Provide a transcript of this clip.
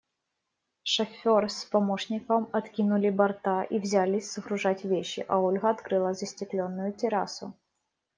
Шофер с помощником откинули борта и взялись сгружать вещи, а Ольга открыла застекленную террасу.